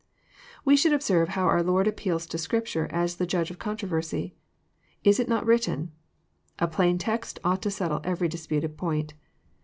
We should observe how our Lord appeals to Scripture as the judge of controversy :" Is it not written?" A plain text ought to settle every disputed point.